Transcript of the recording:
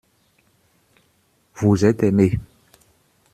Vous êtes aimés.